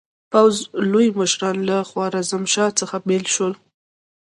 پوځ لوی مشران له خوارزمشاه څخه بېل شول.